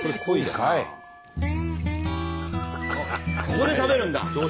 ここで食べるんだ。